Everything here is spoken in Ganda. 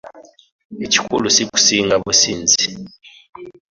Ekikulu si kusinga businzi.